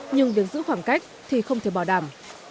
nhưng việc giữ khoảng cách thì không thể bảo đảm